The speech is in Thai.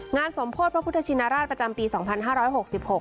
สมโพธิพระพุทธชินราชประจำปีสองพันห้าร้อยหกสิบหก